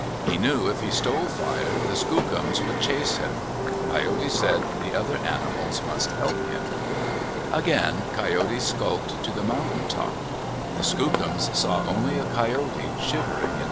He knew if he stole fire, the Skookums would chase him. Coyote said the other animals must help him. Again Coyote skulked to the mountain top. The Skookums saw only a coyote shivering in the bushes.